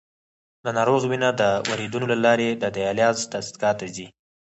د ناروغ وینه د وریدونو له لارې د دیالیز دستګاه ته ځي.